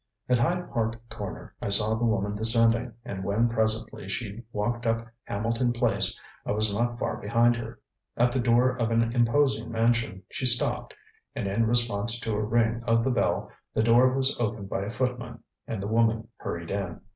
At Hyde Park Corner I saw the woman descending, and when presently she walked up Hamilton Place I was not far behind her. At the door of an imposing mansion she stopped, and in response to a ring of the bell the door was opened by a footman, and the woman hurried in.